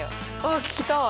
あ聞きたい！